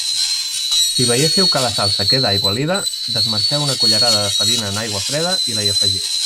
Si veiéssiu que la salsa queda aigualida, desmarxeu una cullerada de farina en aigua freda i la hi afegiu.